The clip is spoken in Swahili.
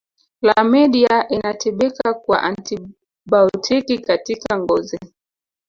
Klamidia inatibika kwa antibaotiki katika ngozi